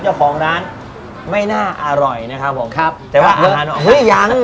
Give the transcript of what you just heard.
เจ้าของร้านไม่น่าอร่อยนะครับผมครับแต่ว่านานว่าเฮ้ยยัง